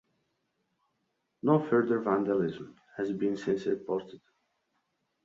No further vandalism has been since reported.